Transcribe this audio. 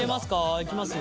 いきますよ。